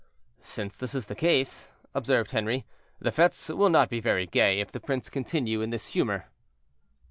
"Since this is the case," observed Henri, "the fetes will not be very gay if the prince continue in this humor."